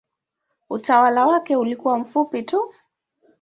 Utawala wake ulikuwa mfupi tu.